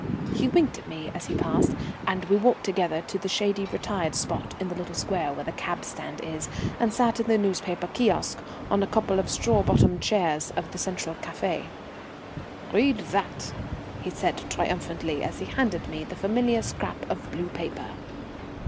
He winked at me as he passed, and we walked together to a shady, retired spot in the little square where the cab stand is, and sat in the newspaper kiosk on a couple of straw bottomed chairs of the Central café. "Read that," he said triumphantly, as he handed me the familiar scrap of blue paper.